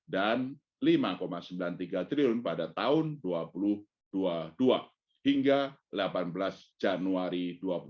dan rp lima sembilan puluh tiga triliun pada tahun dua ribu dua puluh dua hingga delapan belas januari dua ribu dua puluh dua